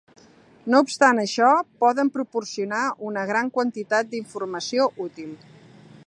No obstant això, poden proporcionar una gran quantitat d'informació útil.